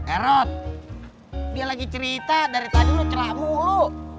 erot dia lagi cerita dari tadi lu celah mulu